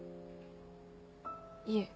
いえ。